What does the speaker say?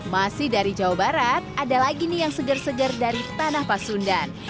masih dari jawa barat ada lagi nih yang seger seger dari tanah pasundan